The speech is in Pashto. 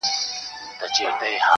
جوړه انګورو څه پیاله ستایمه,